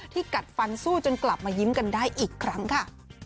กัดฟันสู้จนกลับมายิ้มกันได้อีกครั้งค่ะ